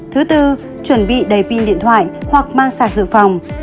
thứ tư chuẩn bị đầy pin điện thoại hoặc mang sạc dự phòng